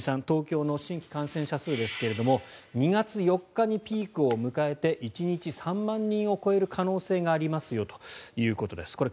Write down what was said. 東京の新規感染者数ですが２月４日にピークを迎えて１日３万人を超える可能性がありますよということです。